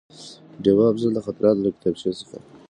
ډېوه افضل: د خاطراتو له کتابچې څخه